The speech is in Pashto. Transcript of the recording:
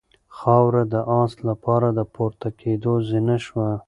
خاوره د آس لپاره د پورته کېدو زینه شوه.